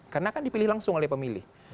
karena kan dipilih langsung oleh pemilih